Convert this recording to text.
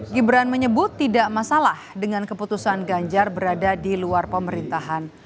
gibran menyebut tidak masalah dengan keputusan ganjar berada di luar pemerintahan